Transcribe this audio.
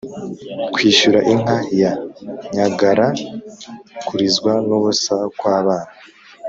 " kwishyura inka ya nyangara = kurizwa n'ubusa kw'abana